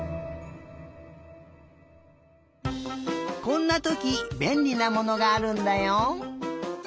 こんなときべんりなものがあるんだよ。